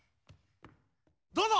どうぞ！